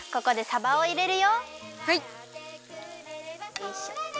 よいしょ。